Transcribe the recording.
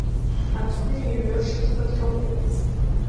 Аԥсны еиҩыршарц рҭахуп.